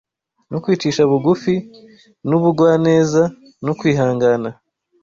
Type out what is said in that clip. no kwicisha bugufi n’ubugwa neza no kwihangana